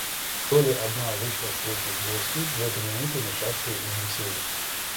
Долли одна вышла встретить гостью, в эту минуту мешавшую их беседе.